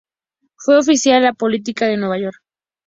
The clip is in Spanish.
Fue oficial de policía de Nueva York.